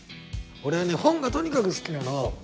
俺はね本がとにかく好きなの。